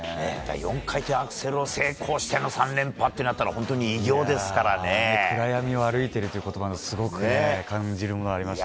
４回転アクセルを成功しての３連覇となったら暗闇を歩いているという言葉にはすごく感じるものがありました。